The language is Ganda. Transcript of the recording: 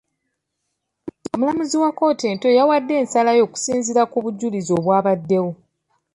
Omulamuzi mu kkooti ento yawadde ensala ye okusinziira ku bujulizi obwabaddewo.